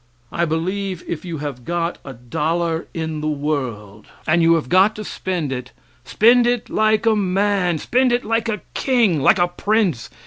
I believe if you have got a dollar in the world and you have got to spend it, spend it like a man; spend it like a king, like a prince.